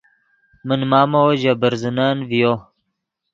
من مامو ژے برزنن ڤیو